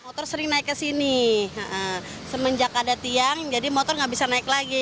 motor sering naik ke sini semenjak ada tiang jadi motor nggak bisa naik lagi